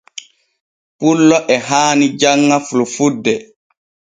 Pullo e haani janŋa fulfulde.